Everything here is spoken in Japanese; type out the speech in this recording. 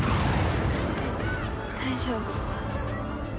大丈夫。